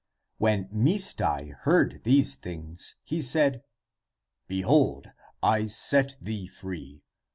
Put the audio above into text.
When Misdai heard these things, he said, *' Behold, I set thee free.